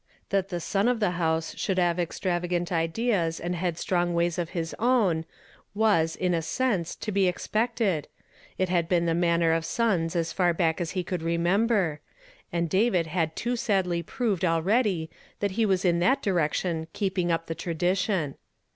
That the son of the house should have extravagant ideas and headstrong ways of his own, was, in a sense, to be expected ; it had been the manner of sons as far back as he could remember, and David had too sadly proved al ready that he was in that direction keeping up the tradition.